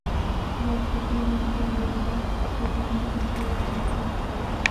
বসতির বড়রা গুরুত্বপূর্ণ কিছু ঘোষণা করবে।